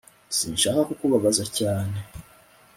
sinshaka kukubabaza cyane